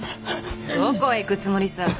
どこへ行くつもりさ？